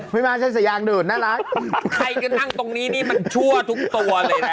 ไม่ใช่สยางเดินน่ารักใครก็นั่งตรงนี้นี่มันชั่วทุกตัวเลยนะ